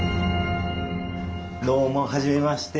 どうもはじめまして。